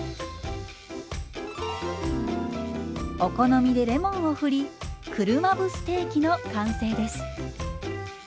お好みでレモンをふり車麩ステーキの完成です。